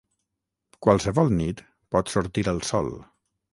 Qualsevol nit pot sortir el sol